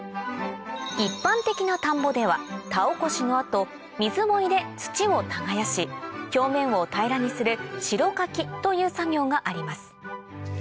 一般的な田んぼでは田おこしの後水を入れ土を耕し表面を平らにする代かきという作業があります